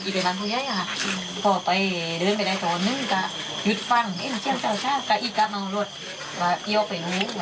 เดินถึงเกียงไม่ต้องหลุดเฟรมไปทางละอีเปรย์มันพูดใหญ่อะฮะ